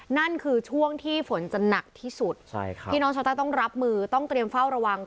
นั่นคือช่วงที่ฝนจะหนักที่สุดพี่น้องชาวใต้ต้องรับมือต้องเตรียมเฝ้าระวัง